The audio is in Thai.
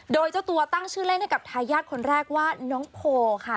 โดยเจ้าตัวตั้งชื่อเล่นให้กับทายาทคนแรกว่าน้องโพค่ะ